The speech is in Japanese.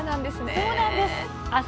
そうなんです。